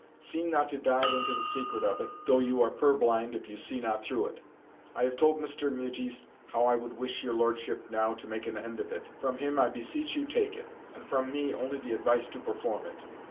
Seem not to dive into the secret of it, though you are purblind if you see not through it. I have told Mr. Meautys how I would wish your Lordship now to make an end of it. From him I beseech you take it, and from me only the advice to perform it.